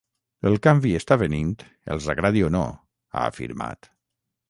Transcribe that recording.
El canvi està venint els agradi o no, ha afirmat.